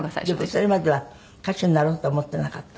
でもそれまでは歌手になろうとは思ってなかったの？